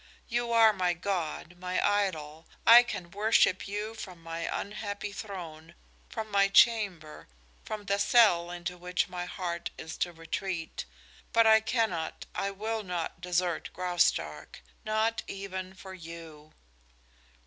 You are my god, my idol. I can worship you from my unhappy throne, from my chamber, from the cell into which my heart is to retreat. But I cannot, I will not desert Graustark. Not even for you!"